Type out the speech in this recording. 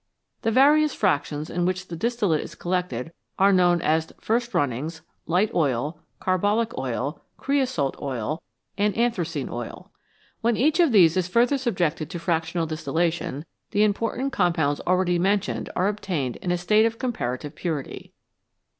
The various fractions in which the distillate is collected are known as " first runnings," "light oil," "carbolic oil," "creosote oil," and "anthra 284 VALUABLE SUBSTANCES cene oil." When each of these is further subjected to fractional distillation, the important compounds already mentioned are obtained in a state of comparative purity.